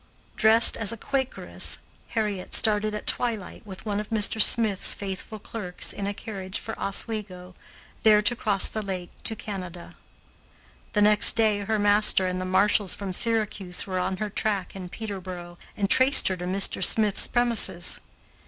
Dressed as a Quakeress, Harriet started at twilight with one of Mr. Smith's faithful clerks in a carriage for Oswego, there to cross the lake to Canada. The next day her master and the marshals from Syracuse were on her track in Peterboro, and traced her to Mr. Smith's premises.